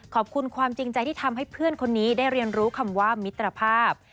ขอบคุณความจริงใจที่ทำให้เพื่อนคนนี้ได้เรียนรู้คำว่ามิตรภาพ